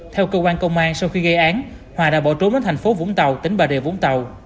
theo cơ quan công an sau khi gây án hòa đã bỏ trốn đến thành phố vũng tàu tỉnh bà rịa vũng tàu